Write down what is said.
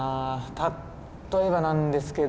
例えばなんですけど。